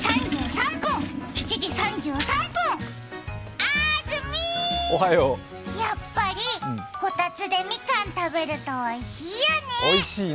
あずみ、やっぱりこたつでみかん食べるとおいしいよね。